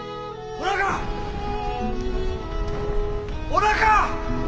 おなか！